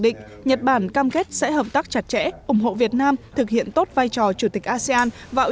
định nhật bản cam kết sẽ hợp tác chặt chẽ ủng hộ việt nam thực hiện tốt vai trò chủ tịch asean vào